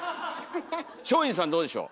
松陰寺さんどうでしょう？